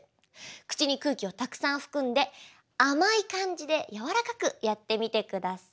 口に空気をたくさん含んで甘い感じで柔らかくやってみてください。